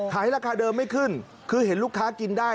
ราคาเดิมไม่ขึ้นคือเห็นลูกค้ากินได้